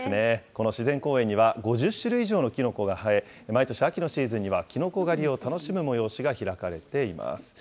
この自然公園には５０種類以上のきのこが生え、毎年秋のシーズンには、きのこ狩りを楽しむ催しが開かれています。